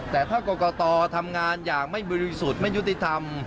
แต่ถ้ากรกตทำงานอย่างไม่บริสุทธิ์ไม่ยุติธรรม